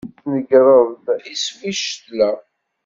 Tneǧǧreḍ-d iswi i ccetla.